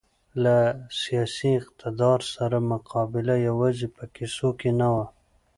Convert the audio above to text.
له سیاسي اقتدار سره مقابله یوازې په کیسو کې نه وه.